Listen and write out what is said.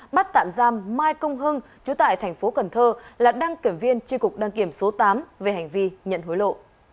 bắt tạm giam mai công hưng chủ tại tp cần thơ là đăng kiểm viên tri cục đăng kiểm số tám về hành vi nhận hối lộ